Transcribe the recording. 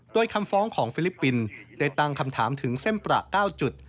โดยคำฟ้องของฟิลิปปินส์ได้ตั้งคำถามถึงเส้นประ๙จุด